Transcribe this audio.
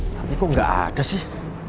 tapi kok nggak ada sih